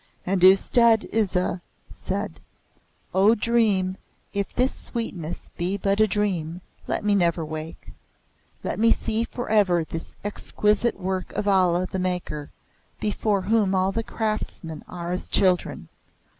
And Ustad Isa said: "O dream, if this sweetness be but a dream, let me never wake! Let me see forever this exquisite work of Allah the Maker, before whom all the craftsmen are as children!